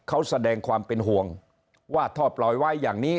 เขาแสดงความเป็นห่วงว่าถ้าปล่อยไว้อย่างนี้